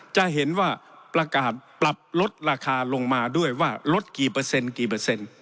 จะเห็นว่าประกาศปรับลดราคาลงมาด้วยว่าลดกี่เปอร์เซ็นต์